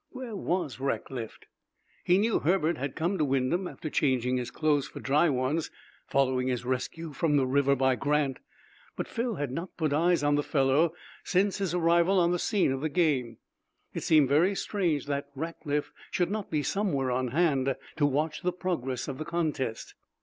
Where was Rackliff? He knew Herbert had come to Wyndham after changing his clothes for dry ones, following his rescue from the river by Grant, but Phil had not put eyes on the fellow since his arrival on the scene of the game. It seemed very strange that Rackliff should not be somewhere on hand to watch the progress of the contest.